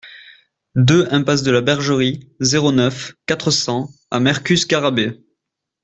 deux impasse de la Bergerie, zéro neuf, quatre cents à Mercus-Garrabet